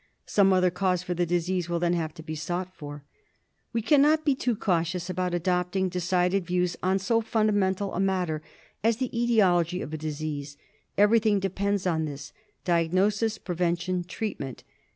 Some other cause for the disease will then have to be sought for. We cannot be too cautious about adopting decided views on so fundamental a matter as the etiology of a disease; everything depends on this — diagnosis, pre vention, treatment.